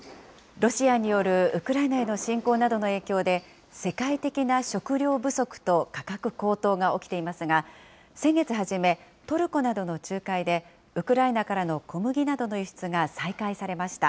ロシアによるウクライナへの侵攻などの影響で、世界的な食糧不足と価格高騰が起きていますが、先月初め、トルコなどの仲介で、ウクライナからの小麦などの輸出が再開されました。